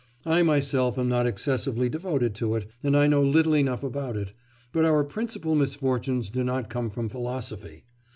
I myself am not excessively devoted to it, and I know little enough about it; but our principal misfortunes do not come from philosophy!